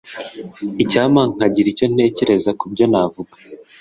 Icyampa nkagira icyo ntekereza kubyo navuga.